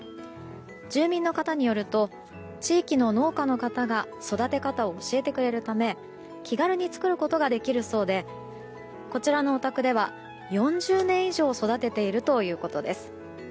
住民の方によると地域の農家の方が育て方を教えてくれるため気軽に作ることができるそうでこちらのお宅では４０年以上育てているということです。